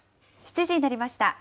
７時になりました。